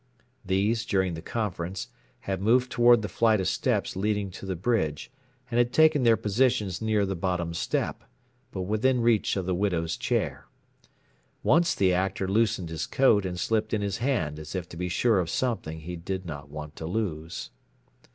These, during the conference, had moved toward the flight of steps leading to the bridge and had taken their positions near the bottom step, but within reach of the widow's chair. Once the Actor loosened his coat and slipped in his hand as if to be sure of something he did not want to lose.